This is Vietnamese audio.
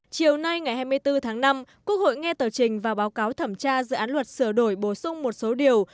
chiều nay ngày hai mươi bốn tháng năm quốc hội nghe tờ trình và báo cáo thẩm tra dự án luật sửa đổi bổ sung một số điều